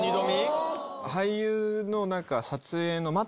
俳優の。